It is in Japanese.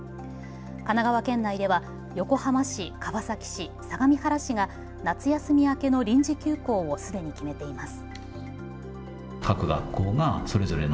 神奈川県内では横浜市、川崎市、相模原市が夏休み明けの臨時休校をすでに決めています。